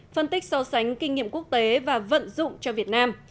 phân tích so sánh kinh nghiệm quốc tế và vận dụng cho việt nam